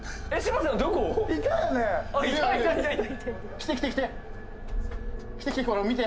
来て来て来て、見て。